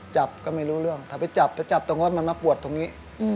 จับก็ไม่รู้เรื่องถ้าไปจับไปจับตรงรถมันมาปวดตรงนี้